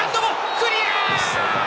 クリア。